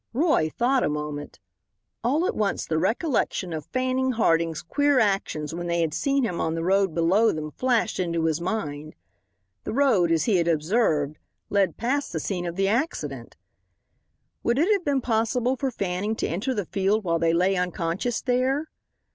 Roy thought a moment. All at once the recollection of Fanning Harding's queer actions when they had seen him on the road below them flashed into his mind. The road, as he had observed, led past the scene of the accident. Would it have been possible for Fanning to enter the field while they lay unconscious there?